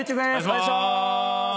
お願いしまーす。